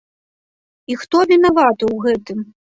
І хто вінаваты ў гэтым?